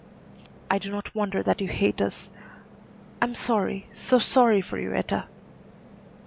"I do not wonder that you hate us. I am sorry so sorry for you, Etta."